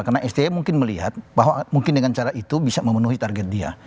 karena sti mungkin melihat bahwa mungkin dengan cara itu bisa memenuhi target dia